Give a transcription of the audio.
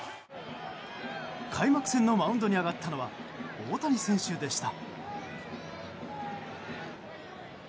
開幕戦のマウンドに上がったのは大谷選手でした。